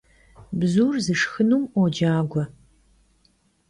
Bzur zışşxınum 'Uocague.